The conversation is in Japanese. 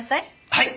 はい！